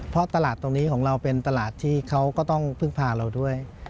เพราะตลาดตรงนี้ของเราเป็นตลาดที่เขาก็ต้องพึ่งพาเราด้วย